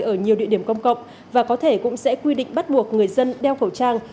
ở nhiều địa điểm công cộng và có thể cũng sẽ quy định bắt buộc người dân đeo khẩu trang